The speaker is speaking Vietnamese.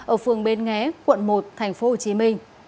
ở phường bến nghé quận một tp hcm